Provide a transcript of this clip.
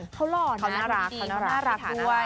เขาหล่อนนะน่ารัก